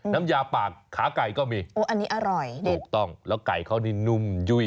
น้ำยาปากขาไก่ก็มีโอ้อันนี้อร่อยถูกต้องแล้วไก่เขานี่นุ่มยุ่ย